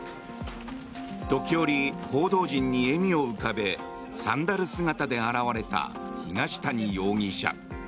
時折、報道陣に笑みを浮かべサンダル姿で現れた東谷容疑者。